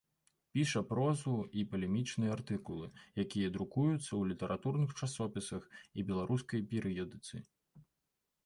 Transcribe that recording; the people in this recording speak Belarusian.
Піша прозу і палемічныя артыкулы, якія друкуюцца у літаратурных часопісах і беларускай перыёдыцы.